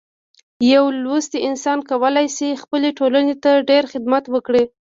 یو لوستی انسان کولی شي خپلې ټولنې ته ډیر خدمت وکړي.